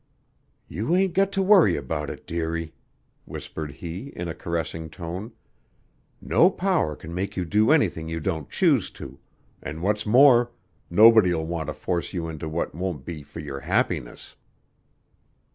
"You ain't got to worry about it, dearie," whispered he in a caressing tone. "No power can make you do anything you don't choose to; an' what's more, nobody'll want to force you into what won't be for your happiness."